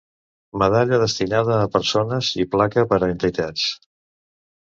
Medalla, destinada a persones i Placa per a entitats.